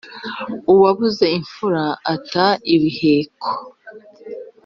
Uwabuze imfura ata ibiheko.